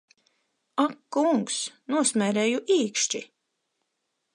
Ak kungs, nosmērēju īkšķi!